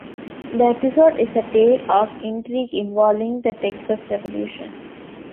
The episode is a tale of intrigue involving the Texas Revolution.